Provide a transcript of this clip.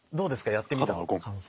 やってみた感想。